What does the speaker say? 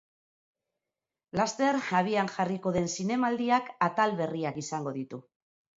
Laster abian jarriko den zinemaldiak atal berriak izango ditu.